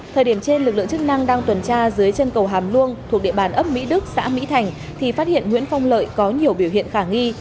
thời điểm trên lực lượng chức năng đang tuần tra dưới chân cầu hàm luông thuộc địa bàn ấp mỹ đức xã mỹ thành thì phát hiện nguyễn phong lợi có nhiều biểu hiện khả nghi